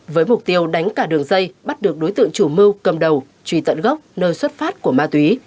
với mục tiêu đánh cả đường dây bắt được đối tượng chủ mưu cầm đầu truy tận gốc nơi xuất phát của ma túy